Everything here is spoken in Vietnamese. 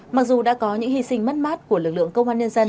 mặc dù đã có những hy sinh mất mát của lực lượng công an nhân dân